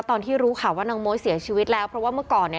ตอนที่รู้ข่าวว่านางโม๊ยเสียชีวิตแล้วเพราะว่าเมื่อก่อนเนี่ย